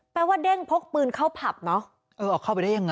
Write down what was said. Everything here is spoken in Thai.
ว่าเด้งพกปืนเข้าผับเนอะเออออกเข้าไปได้ยังไง